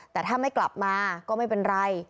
แต่ถ้าไม่กลับมาก็ไม่เป็นไร